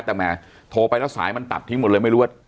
แต่แหมโทรไปแล้วสายมันตัดทิ้งหมดเลยไม่รู้ว่า